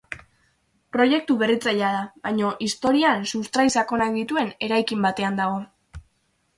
Proiektu berritzailea da, baina historian sustrai sakonak dituen eraikin batean dago.